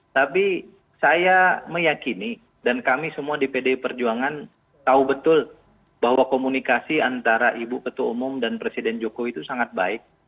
tapi saya meyakini dan kami semua di pdi perjuangan tahu betul bahwa komunikasi antara ibu ketua umum dan presiden jokowi itu sangat baik